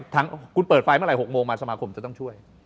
ทั้งคุณเปิดไฟเมื่อไหกโมงมาสมาคมจะต้องช่วย